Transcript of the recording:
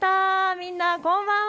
みんな、こんばんは。